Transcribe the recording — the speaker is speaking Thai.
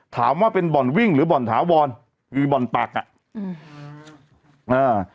ถามว่าเป็นบ่อนวิ่งหรือบ่อนถาวรคือบ่อนปักอ่ะอืมอ่า